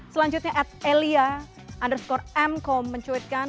selanjutnya ed elia underscore mco mencuitkan